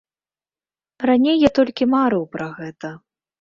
Раней я толькі марыў пра гэта.